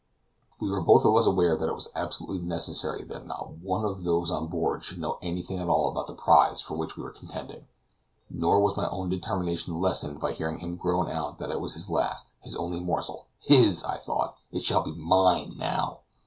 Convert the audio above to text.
We were both of us aware that it was absolutely necessary that not one of those on board should know anything at all about the prize for which we were contending. Nor was my own determination lessened by hearing him groan out that it was his last, his only morsel. "His!" I thought; "it shall be mine now!"